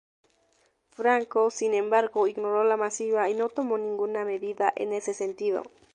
Franco, sin embargo, ignoró la misiva y no tomó ninguna medida en ese sentido.